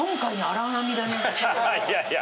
いやいや。